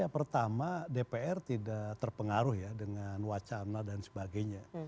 selama dpr tidak terpengaruh ya dengan wacana dan sebagainya